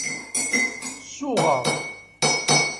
Suɣeɣ.